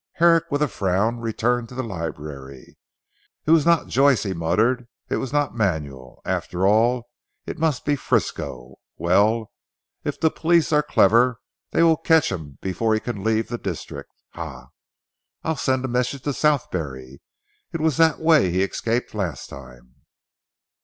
Herrick with a frown returned to the library. "It was not Joyce," he muttered, "it was not Manuel. After all it must be Frisco. Well, if the police are clever they will catch him before he can leave the district. Ha! I'll send a message to Southberry, it was that way he escaped last time."